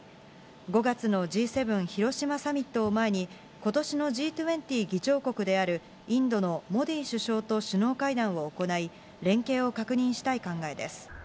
５月のＧ７広島サミットを前に、ことしのＧ２０議長国であるインドのモディ首相と首脳会談を行い、連携を確認したい考えです。